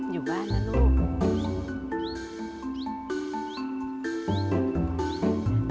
อยู่บ้านนะลูก